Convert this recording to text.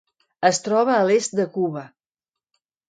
Es troba a l'est de Cuba.